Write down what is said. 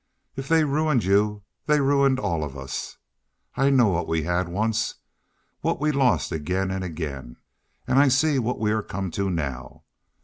"If they ruined you they ruined all of us. I know what we had once what we lost again and again and I see what we are come to now.